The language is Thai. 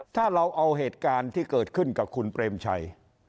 ถ้าเราเอาเหตุการณ์ที่เกิดขึ้นกับคุณเปรมชัย